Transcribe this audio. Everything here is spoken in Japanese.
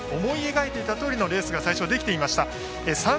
思い描いたとおりのレースができていました。